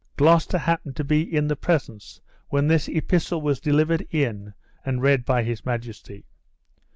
Gloucester happened to be in the presence when this epistle was delivered in and read by his majesty.